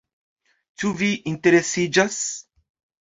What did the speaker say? Ĉu vi interesiĝas?